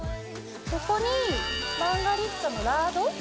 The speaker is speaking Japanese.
ここにマンガリッツァのラード。